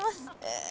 え